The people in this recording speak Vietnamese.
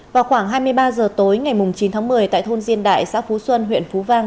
vào khoảng hai mươi ba h tối ngày chín tháng một mươi tại thôn diên đại xã phú xuân huyện phú vang